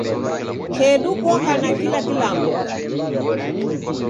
Kedu koka na kila kilambo